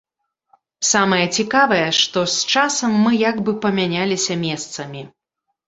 Самае цікавае, што з часам мы як бы памяняліся месцамі.